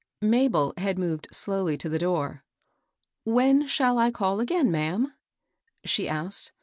Mabel had moved slowly to the door. " When shall I call again, ma'am ?" she asked.